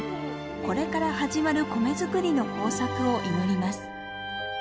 これから始まる米作りの豊作を祈ります。